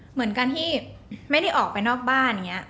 เหมือนกันที่ไม่ได้ออกไปนอกบ้าน